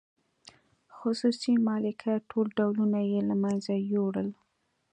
خصوصي مالکیت ټول ډولونه یې له منځه یووړل.